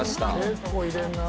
結構入れるなあ。